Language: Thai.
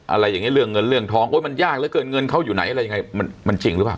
อะไรอย่างนี้เรื่องเงินเรื่องทองโอ๊ยมันยากเหลือเกินเงินเขาอยู่ไหนอะไรยังไงมันมันจริงหรือเปล่า